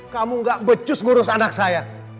kamu gak becus ngurus anak saya